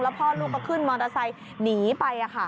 พ่อลูกก็ขึ้นมอเตอร์ไซค์หนีไป